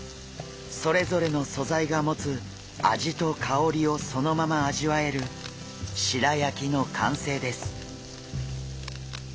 それぞれの素材が持つ味とかおりをそのまま味わえる白焼きの完成です。